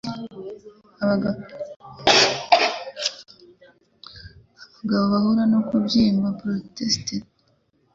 Abagabo bahura no kubyimba prostate